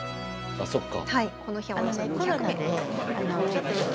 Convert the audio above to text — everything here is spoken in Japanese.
あそっか。